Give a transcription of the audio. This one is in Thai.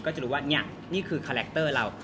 จะรู้ว่านี่คือคาแรคเตอร์เรา